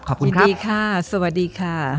ขอบคุณครับสวัสดีค่ะ